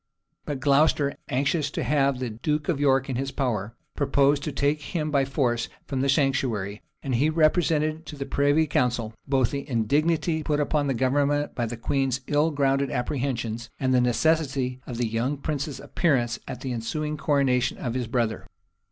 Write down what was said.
But Glocester, anxious to have the duke of York in his power, proposed to take him by force from the sanctuary; and he represented to the privy council both the indignity put upon the government by the queen's ill grounded apprehensions, and the necessity of the young prince's appearance at the ensuing coronation of his brother.